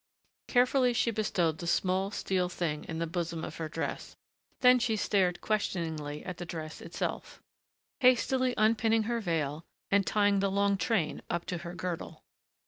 Carefully she bestowed the small, steel thing in the bosom of her dress, then she stared questioningly at the dress itself, hastily unpinning the veil, and tying the long train up to her girdle.